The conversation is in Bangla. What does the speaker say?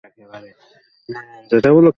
ইকবাল মাহমুদ হ্যাঁ, গুরুত্বপূর্ণ।